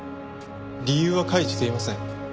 理由は開示していません。